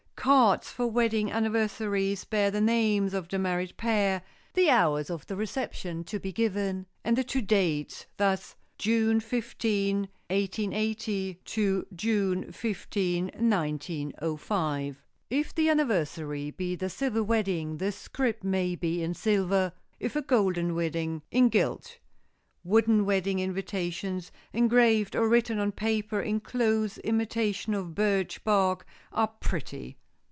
Cards for wedding anniversaries bear the names of the married pair, the hours of the reception to be given and the two dates, thus: June 15, 1880——June 15, 1905. If the anniversary be the Silver Wedding the script may be in silver; if a Golden Wedding, in gilt. Wooden Wedding invitations, engraved or written on paper in close imitation of birch bark, are pretty.